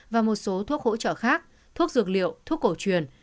và một số thuốc hỗ trợ khác thuốc dược liệu thuốc cổ truyền